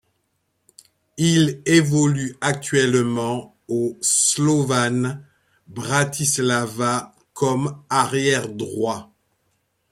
Il évolue actuellement au Slovan Bratislava comme arrière droit.